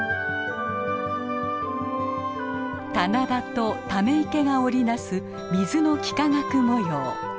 棚田とため池が織り成す水の幾何学模様。